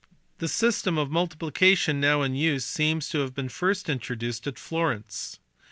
The system of multiplication now in use seems to have been first introduced at Florence.